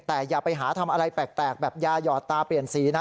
แต่อย่าไปหาทำอะไรแปลกแบบยาหยอดตาเปลี่ยนสีนะ